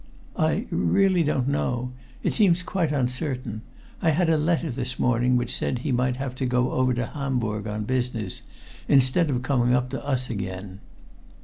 "I really don't know. It seems quite uncertain. I had a letter this morning which said he might have to go over to Hamburg on business, instead of coming up to us again."